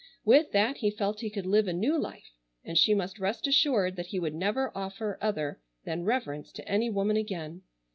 With that he felt he could live a new life, and she must rest assured that he would never offer other than reverence to any woman again.